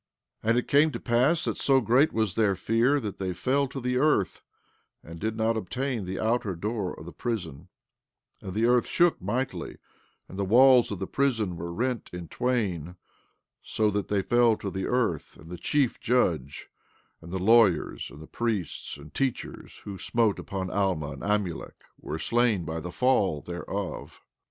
14:27 And it came to pass that so great was their fear that they fell to the earth, and did not obtain the outer door of the prison; and the earth shook mightily, and the walls of the prison were rent in twain, so that they fell to the earth; and the chief judge, and the lawyers, and priests, and teachers, who smote upon Alma and Amulek, were slain by the fall thereof.